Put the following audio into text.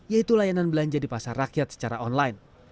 yaitu layanan belanja di pasar rakyat secara online